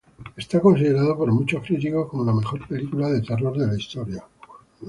Es considerada por muchos críticos como la mejor película de terror de la historia.